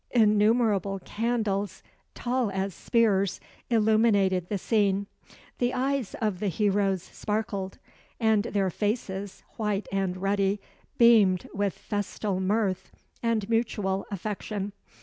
Innumerable candles, tall as spears, illuminated the scene. The eyes of the heroes sparkled, and their faces, white and ruddy, beamed with festal mirth and mutual affection.